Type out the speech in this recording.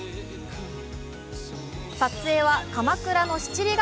撮影は鎌倉の七里ガ